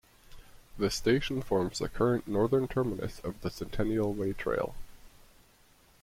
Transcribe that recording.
The station forms the current northern terminus of the Centennial Way Trail.